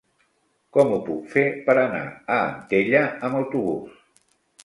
Com ho puc fer per anar a Antella amb autobús?